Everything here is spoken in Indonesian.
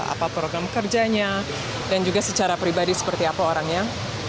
apa program kerjanya dan juga secara pribadi seperti apa orangnya